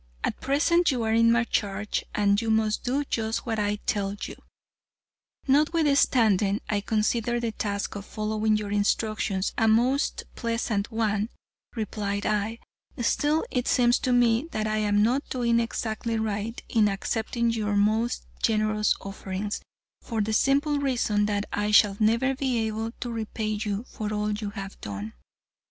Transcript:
At present, you are in my charge, and must do just what I tell you." "Notwithstanding I consider the task of following your instructions a most pleasant one," replied I, "still it seems to me that I am not doing exactly right in accepting your most generous offerings, for the simple reason that I shall never be able to repay you for all you have done."